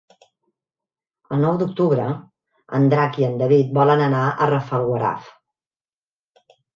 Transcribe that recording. El nou d'octubre en Drac i en David volen anar a Rafelguaraf.